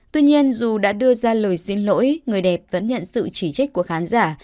tuy nhiên dù đã đưa ra lời xin lỗi người đẹp vẫn nhận sự chỉ trích của khán giả